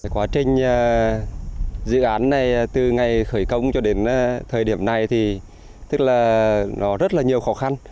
quá trình dự án này từ ngày khởi công cho đến thời điểm này thì tức là nó rất là nhiều khó khăn